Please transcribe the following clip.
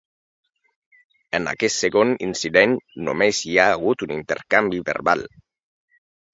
En aquest segon incident només hi ha hagut un intercanvi verbal.